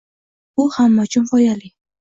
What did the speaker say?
Bu hamma uchun foydali